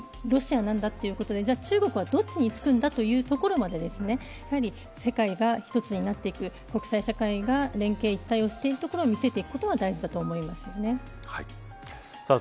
ロシアなんだということで、中国はどっちにつくんだというところまで世界が一つになっていく国際社会が連携して一帯していくことは大事だと思います。